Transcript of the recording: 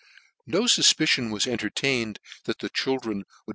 No fufpicion was entertained that the children would.